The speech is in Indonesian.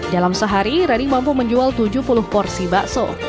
dalam sehari rani mampu menjual tujuh puluh porsi bakso